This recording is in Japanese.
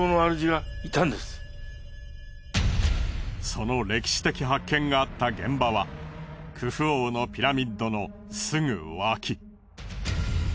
その歴史的発見があった現場はクフ王のピラミッドのすぐ脇。